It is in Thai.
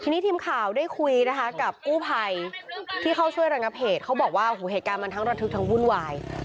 ทีนี้ทีมข่าวได้คุยนะคะกับกู้ภัยที่เขาช่วยระงับเหตุเขาบอกว่าหูเหตุการณ์มันทั้งระทึกทั้งวุ่นวาย